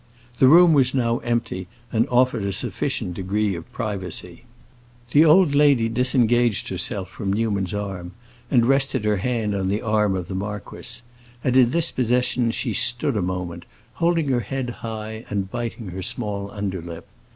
The room was now empty and offered a sufficient degree of privacy. The old lady disengaged herself from Newman's arm and rested her hand on the arm of the marquis; and in this position she stood a moment, holding her head high and biting her small under lip.